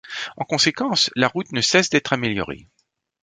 En conséquence, la route ne cesse d'être améliorée.